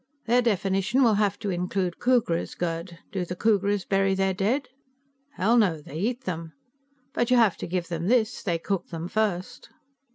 "Their definition will have to include Khooghras. Gerd, do the Khooghras bury their dead?" "Hell, no; they eat them. But you have to give them this, they cook them first."